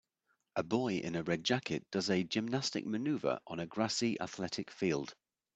A boy in a red jacket does a gymnastic maneuver on a grassy athletic field.